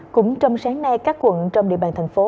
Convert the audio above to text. cũng trong sáng nay các quận trong địa bàn thành phố